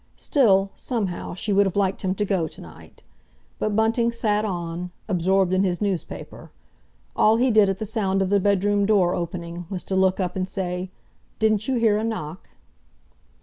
Still, somehow, she would have liked him to go to night. But Bunting sat on, absorbed in his newspaper; all he did at the sound of the bedroom door opening was to look up and say, "Didn't you hear a knock?"